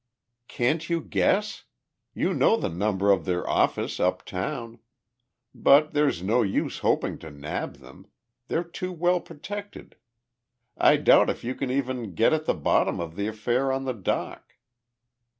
"Can't you guess? You know the number of their office uptown. But there's no use hoping to nab them. They're too well protected. I doubt if you can even get at the bottom of the affair on the dock."